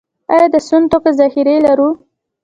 آیا د سون توکو ذخیرې لرو؟